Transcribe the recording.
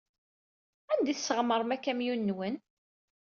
Anda ay tesɣemrem akamyun-nwen?